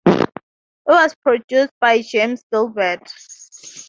It was produced by James Gilbert.